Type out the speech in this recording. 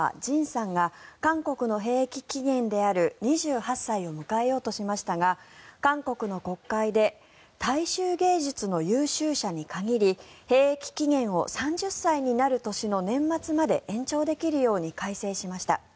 ＪＩＮさんが韓国の兵役期限である２８歳を迎えようとしましたが韓国の国会で大衆芸術の優秀者に限り兵役期限を３０歳になる年の年末まで延長できるように改正しました。